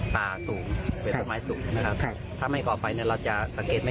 ป่าสูงสูงนะครับครับถ้าไม่กอไฟเนี่ยเราจะสังเกตไม่